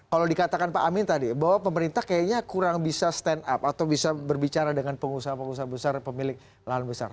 kalau dikatakan pak amin tadi bahwa pemerintah kayaknya kurang bisa stand up atau bisa berbicara dengan pengusaha pengusaha besar pemilik lahan besar